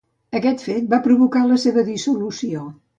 Aquest fet va provocar la seva dissolució.